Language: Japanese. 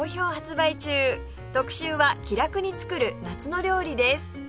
特集は「気楽につくる夏の料理」です